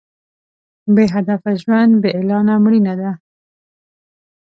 بې هدفه ژوند بې اعلانه مړینه ده.